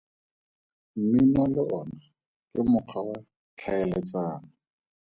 Mmino le ona ke mokgwa wa tlhaeletsano.